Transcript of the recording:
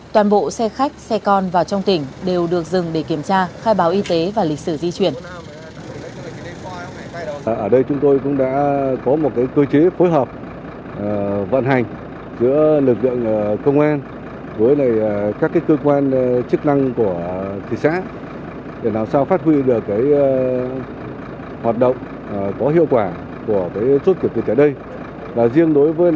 toàn bộ xe khách xe con vào trong tỉnh đều được dừng để kiểm tra khai báo y tế và lịch sử di chuyển